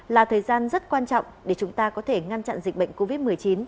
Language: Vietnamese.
là thời gian rất quan trọng để chúng ta có thể ngăn chặn dịch bệnh covid một mươi chín